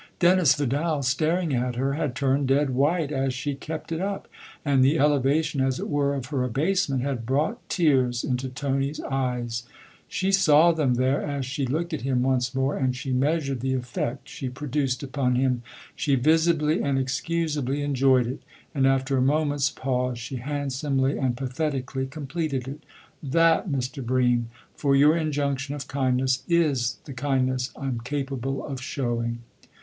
Dennis Vidal, staring at her, had turned dead white as she kept it up, and the elevation, as it were, of her abasement had brought tears into Tony's eyes. She saw them there as she looked at him once more, and she measured the effect she produced upon him. She visibly and excusably enjoyed it and after a moment's pause she handsomely and pathetically completed it. " That, Mr. Bream for your injunction of kindness is the kindness I'm capable of showing."